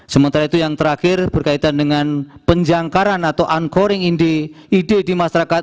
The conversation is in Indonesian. sementara itu yang terakhir berkaitan dengan penjangkaran atau uncoring ide di masyarakat